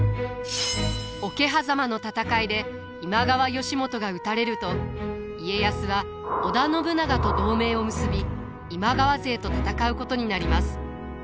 桶狭間の戦いで今川義元が討たれると家康は織田信長と同盟を結び今川勢と戦うことになります。